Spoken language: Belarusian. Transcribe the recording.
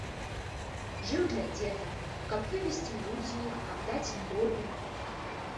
Жыў для дзетак, каб вывесці ў людзі іх, каб даць ім долю.